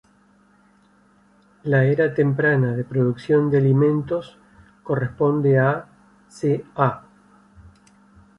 La Era Temprana de Producción de Alimentos corresponde a ca.